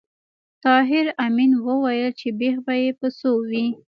طاهر آمین وویل چې بېخ به یې په څو وي